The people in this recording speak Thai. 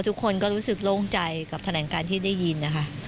ทุกคนก็รู้สึกโล่งใจกับแถลงการที่ได้ยินนะคะ